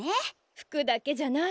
服だけじゃない。